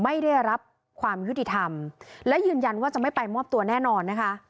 ไม่ได้รับความยุติธรรมและยืนยันว่าจะไม่ไปมอบตัวแน่นอนนะคะ